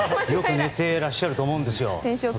よく寝ていらっしゃると思うんですよ。